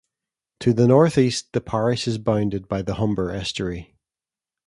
To the north east the parish is bounded by the Humber estuary.